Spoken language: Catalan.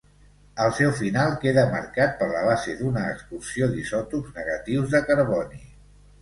El seu final queda marcat per la base d'una excursió d'isòtops negatius de carboni.